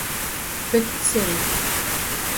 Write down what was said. Petite série.